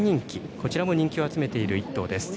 こちらも人気を集めている１頭です。